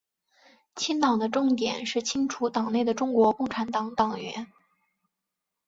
清党的重点是清除党内的中国共产党党员。